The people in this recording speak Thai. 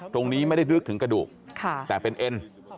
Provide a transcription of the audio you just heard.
ตรงนี้ไม่ได้ลึกถึงกระดูกแต่เป็นเอ็น